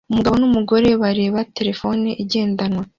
Umugabo numugore bareba terefone igendanwa